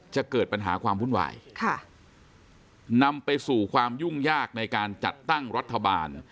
จะเกิดปัญหาความวุ่นวายค่ะนำไปสู่ความยุ่งยากในการจัดตั้งรัฐบาล